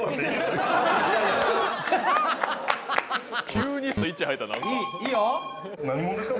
急にスイッチ入った何か。